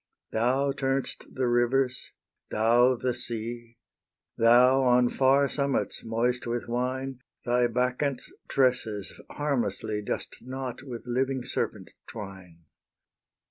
Thou turn'st the rivers, thou the sea; Thou, on far summits, moist with wine, Thy Bacchants' tresses harmlessly Dost knot with living serpent twine.